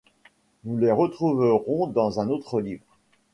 Nous les retrouverons dans un autre livre.